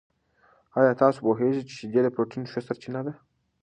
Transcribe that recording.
آیا تاسو پوهېږئ چې شیدې د پروټین ښه سرچینه دي؟